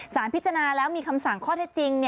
พิจารณาแล้วมีคำสั่งข้อเท็จจริง